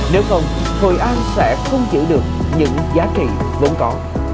nếu không hội an sẽ không giữ được những giá trị vốn có